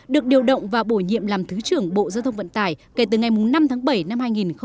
được điều động và bổ nhiệm làm thứ trưởng bộ giao thông vận tải kể từ ngày năm tháng bảy năm hai nghìn một mươi chín